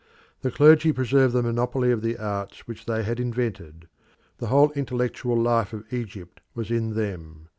The clergy preserved the monopoly of the arts which they had invented; the whole intellectual life of Egypt was in them.